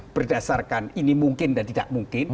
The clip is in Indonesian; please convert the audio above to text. berdasarkan ini mungkin dan tidak mungkin